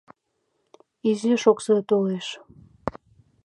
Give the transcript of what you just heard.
Изиш окса толеш.